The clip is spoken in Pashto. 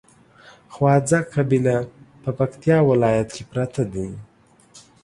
خواځک قبيله په پکتیا ولايت کې پراته دي